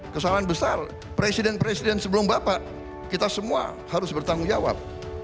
kesalahan besar presiden presiden sebelum bapak kita semua harus bertanggung jawab